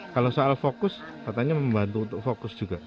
kalau soal fokus katanya membantu untuk fokus juga